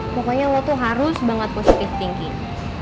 pokoknya lu tuh harus banget positif thinking